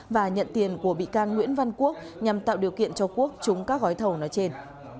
và nhận tiền của bị can nguyễn văn quốc nhằm tạo điều kiện cho quốc chúng các gói thầu nói trên